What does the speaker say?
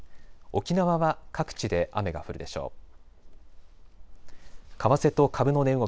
沖縄は各地で雨が降るでしょう。